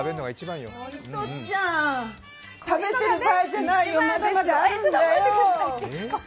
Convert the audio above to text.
糸永ちゃん、食べる場合じゃないよ、まだまだあるんだよ。